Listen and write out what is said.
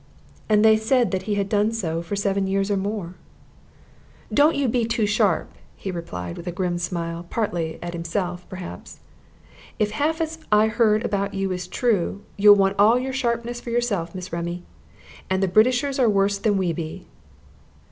And they said that he had done so for seven years or more. "Don't you be too sharp," he replied, with a grim smile, partly at himself, perhaps. "If half as I heard about you is true, you'll want all your sharpness for yourself, Miss Remy. And the Britishers are worse than we be."